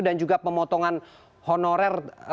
dan juga pemotongan honorer